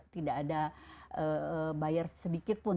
tidak ada bayar sedikitpun